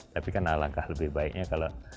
tapi kan alangkah lebih baiknya kalau